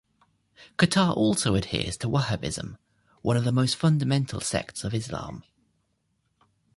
Qatar also adheres to Wahhabism, one of the most fundamental sects of Islam.